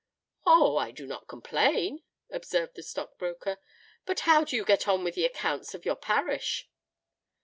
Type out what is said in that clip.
"Oh! I do not complain," observed the stock broker. "But how do you get on with the accounts of your parish?"